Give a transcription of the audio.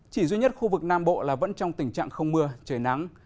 chỉ duy nhất khu vực nam bộ là vẫn trong tình trạng không mưa trời nắng